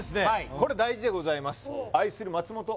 これ大事でございます